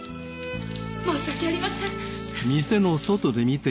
申し訳ありません！